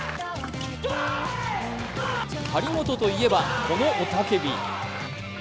張本といえばこの雄たけび。